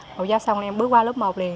màu giáo xong em bước qua lớp một liền